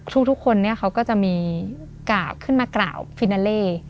ทุกคนเขาก็จะมีกล่าวขึ้นมากล่าวฟินาเล่